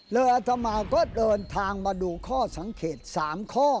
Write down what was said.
อัตมาก็เดินทางมาดูข้อสังเกต๓ข้อ